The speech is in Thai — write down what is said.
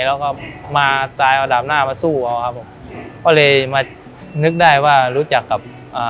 แล้วก็มาตายเอาดาบหน้ามาสู้เอาครับผมก็เลยมานึกได้ว่ารู้จักกับอ่า